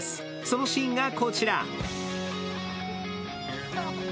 そのシーンがこちら。